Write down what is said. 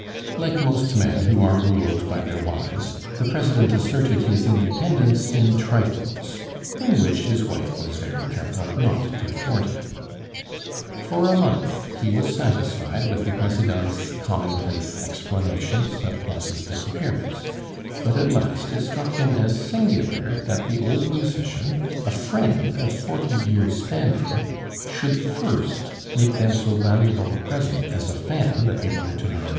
Like most men who are ruled by their wives, the President asserted his independence in trifles, in which his wife was very careful not to thwart him. For a month he was satisfied with the Presidente's commonplace explanations of Pons' disappearance; but at last it struck him as singular that the old musician, a friend of forty years' standing, should first make them so valuable a present as a fan that belonged to Mme.